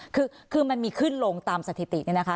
คือมันมีขึ้นลงตามสถิติเนี่ยนะคะ